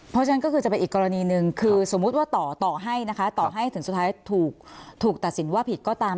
เพราะฉะนั้นก็คือจะเป็นอีกกรณีหนึ่งคือสมมุติว่าต่อต่อให้นะคะต่อให้ถึงสุดท้ายถูกตัดสินว่าผิดก็ตาม